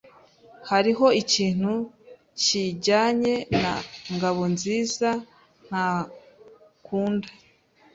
Hariho ikintu kijyanye na Ngabonziza ntakunda.